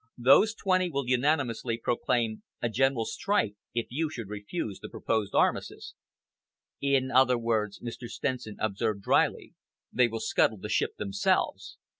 Those twenty will unanimously proclaim a general strike, if you should refuse the proposed armistice." "In other words," Mr. Stenson observed drily, "they will scuttle the ship themselves.